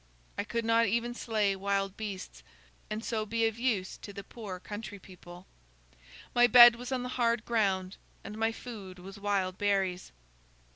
I could not even slay wild beasts, and so be of use to the poor country people. My bed was on the hard ground, and my food was wild berries.